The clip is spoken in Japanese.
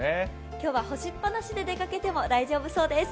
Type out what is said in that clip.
今日は干しっぱなしで出かけても大丈夫そうです。